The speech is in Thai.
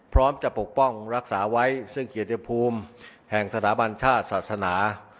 พร้อมจะปกป้องรักษาไว้ซึ่งเกียรติภูมิแห่งสถาบันชาติศาสนา